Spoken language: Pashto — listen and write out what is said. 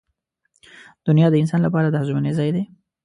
• دنیا د انسان لپاره د ازموینې ځای دی.